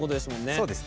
そうですね。